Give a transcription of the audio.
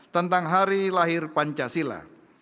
tentang hari lahir pancasila